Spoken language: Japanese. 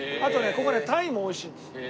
ここねタイも美味しいんです。